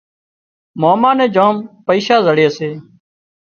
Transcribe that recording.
ماما نين جام پئيشا زڙي سي